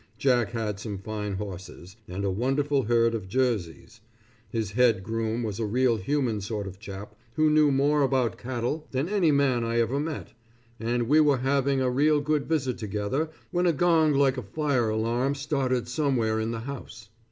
Jack had some fine horses, and a wonderful herd of Jerseys. His head groom was a real human sort of chap, who knew more about cattle than any man I ever met, and we were having a real good visit together when a gong like a fire alarm started somewhere in the house.